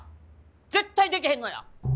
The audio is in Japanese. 絶対できへんのや！